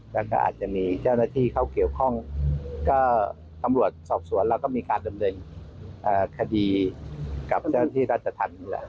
แล้วก็อาจจะมีเจ้าหน้าที่เข้าเกี่ยวข้องก็ตำรวจสอบสวนแล้วก็มีการดำเนินคดีกับเจ้าหน้าที่ราชธรรมนี่แหละ